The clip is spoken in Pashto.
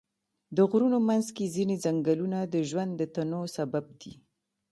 د غرونو منځ کې ځینې ځنګلونه د ژوند د تنوع سبب دي.